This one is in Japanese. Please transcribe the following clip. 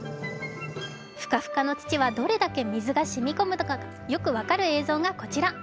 フカフカの土はどれだけ水が染み込むのかよく分かる映像がこちら。